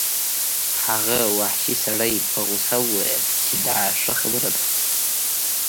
هغه وحشي سړي په غوسه وویل چې دا ښه خبره ده